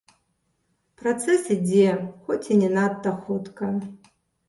Працэс ідзе, хоць і не надта хутка.